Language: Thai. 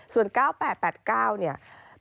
ส่วน๙๘๘๙เนี่ย